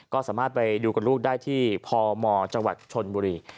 ก็สามารถไปดูกับลูกได้ที่พมจังหวัดชนบุรี